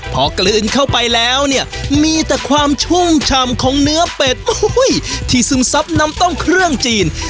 พอกลืนเข้าไปแล้วเนี่ยมีแต่ความชุ่มฉ่ำของเนื้อเป็ดที่ซึมซับน้ำต้มเครื่องจีน